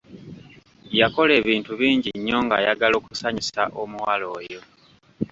Yakola ebintu bingi nnyo ng'ayagala okusanyusa omuwala oyo.